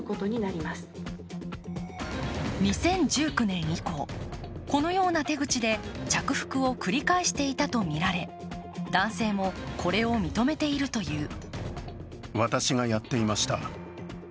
２０１９年以降、このような手口で着服を繰り返していたとみられ男性も、これを認めているという。